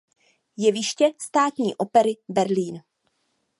Jeviště Státní opery Berlín.